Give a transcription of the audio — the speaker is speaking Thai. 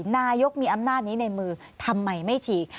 นายกมีอำนาจนี้ในมือทำไมไม่ฉีก